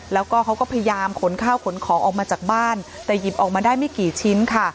แล้วก็เขาก็พยายามขนข้าวขนของออกมาจากบ้านแต่หยิบออกมาได้ไม่กี่ชิ้นค่ะ